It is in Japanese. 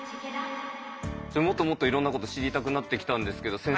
もっともっといろんなこと知りたくなってきたんですけど先生